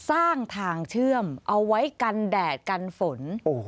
สร้างทางเชื่อมเอาไว้กันแดดกันฝน